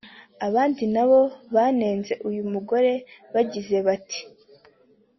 Abandi nabo banenze uyu mugore bagize bati